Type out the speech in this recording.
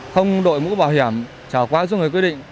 không đội mũ bảo hiểm trở quá số người quy định